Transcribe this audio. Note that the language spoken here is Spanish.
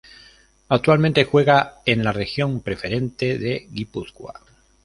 Actualmente juega en la Regional Preferente de Guipúzcoa.